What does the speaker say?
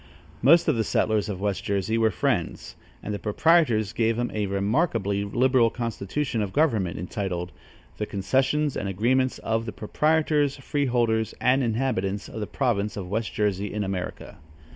Most of the settlers of West Jersey were Friends, and the proprietors gave them a remarkably liberal constitution of government, entitled: "The concessions and agreements of the proprietors, freeholders and inhabitants of the province of West Jersey in America."